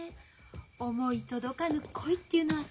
思い届かぬ恋っていうのはさ。